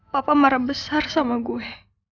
papa marah besar sama gue